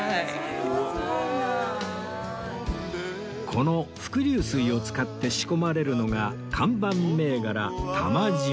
この伏流水を使って仕込まれるのが看板銘柄多満自慢